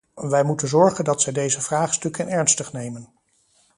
Wij moeten zorgen dat zij deze vraagstukken ernstig nemen.